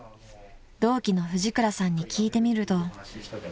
［同期の藤倉さんに聞いてみると］